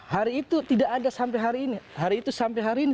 hari itu tidak ada sampai hari ini